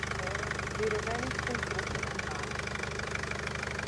Hore, li revenis kun kruĉo enmane.